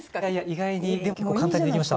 意外にでも結構簡単にできました。